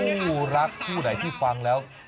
คู่รักคู่ไหนที่ฟังแล้ว